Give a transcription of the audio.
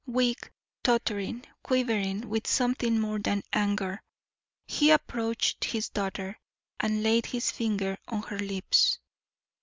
Weak, tottering, quivering with something more than anger, he approached his daughter and laid his finger on her lips.